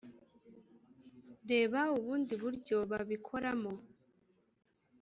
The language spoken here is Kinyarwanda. reba ubundi buryo babikoramo